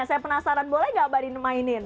saya penasaran boleh gak mbak nia mainin